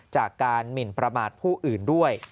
จากการหมินประมาทผู้อื่นด้วย